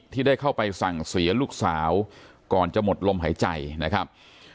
ที่ได้เข้าไปสั่งเสียลูกสาวก่อนจะหมดลมหายใจนะครับ